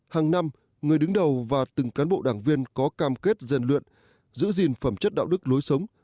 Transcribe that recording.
hàng năm người đứng đầu và từng cán bộ đảng viên có cam kết gian luyện giữ gìn phẩm chất đạo đức lối sống